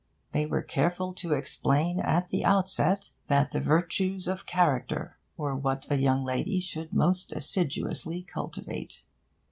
They were careful to explain, at the outset, that the Virtues of Character were what a young lady should most assiduously cultivate.